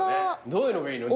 どういうのがいいの？